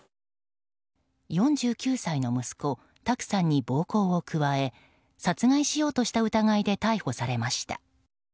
４９歳の息子・卓さんに暴行を加え殺害しようとした疑いで逮捕されました。